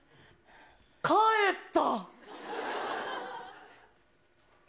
帰った。